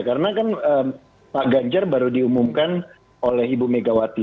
karena kan pak ganjar baru diumumkan oleh ibu megawati